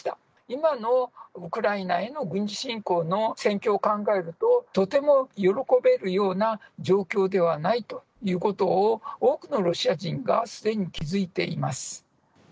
今のウクライナへの軍事侵攻の戦況を考えると、とても喜べるような状況ではないということを、多くのロシア人がすでに気付いています。